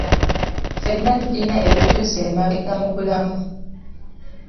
Ffenna tulina ebituzza emabega mu bulamu.